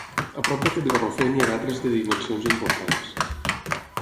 A prop d'aquest garrofer n'hi ha d'altres de dimensions importants.